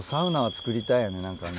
作りたいね。